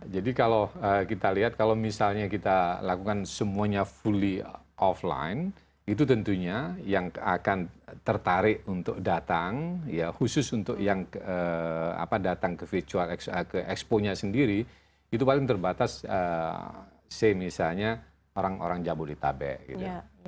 jadi kalau kita lihat kalau misalnya kita lakukan semuanya fully offline itu tentunya yang akan tertarik untuk datang khusus untuk yang datang ke expo nya sendiri itu paling terbatas say misalnya orang orang jabodetabek gitu